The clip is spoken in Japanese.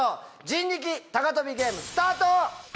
人力高跳びゲーム、スタート。